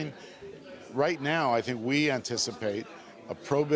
sekarang saya pikir kita akan berharap